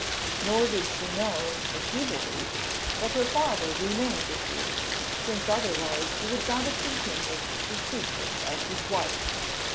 Nor did she know—as he believed—that her father remained a Jew, since, otherwise, he would not have continued to seek her as his wife.